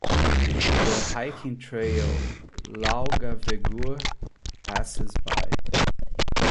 The hiking trail "Laugavegur" passes by.